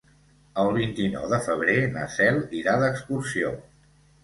El vint-i-nou de febrer na Cel irà d'excursió.